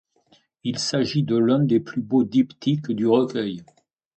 Il s'agit de l'un des plus beaux diptyques du recueil.